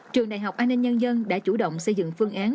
trường đại học an ninh nhân dân đã chủ động xây dựng phương án